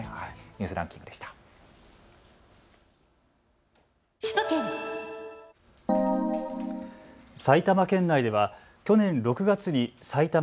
ニュースランキングでした。